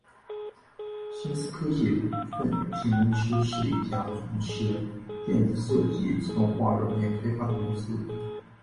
新思科技股份有限公司是一家从事电子设计自动化软件开发的公司。